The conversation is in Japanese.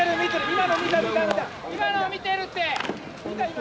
今のを見てるって。